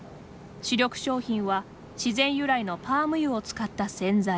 主力商品は自然由来のパーム油を使った洗剤。